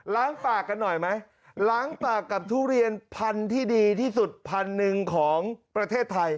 ปากกันหน่อยไหมล้างปากกับทุเรียนพันธุ์ที่ดีที่สุดพันหนึ่งของประเทศไทย